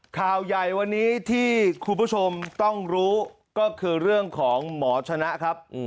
ข่าวใหญ่วันนี้ที่คุณผู้ชมต้องรู้ก็คือเรื่องของหมอชนะครับ